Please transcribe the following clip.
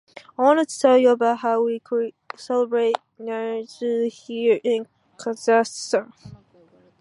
I wanted to tell you about how we celebrate Nauryz here in Kazakhstan.